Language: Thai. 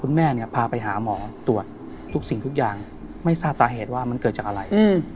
แม่เนี่ยพาไปหาหมอตรวจทุกสิ่งทุกอย่างไม่ทราบสาเหตุว่ามันเกิดจากอะไร